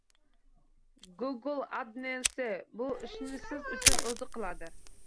Google adsense bu ishni Siz uchun o’zi qiladi